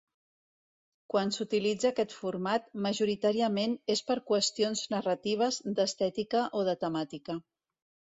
Quan s'utilitza aquest format, majoritàriament és per qüestions narratives, d'estètica o de temàtica.